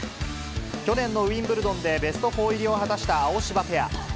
去年のウィンブルドンで、ベスト４入りを果たしたアオシバペア。